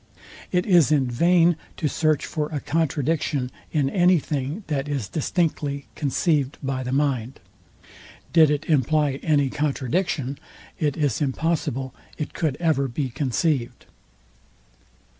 It is in vain to search for a contradiction in any thing that is distinctly conceived by the mind. Did it imply any contradiction, it is impossible it could ever be conceived.